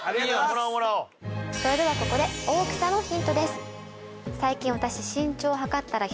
それではここで大きさのヒントです